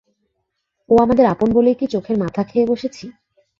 ও আমাদের আপন বলেই কি চোখের মাথা খেয়ে বসেছি?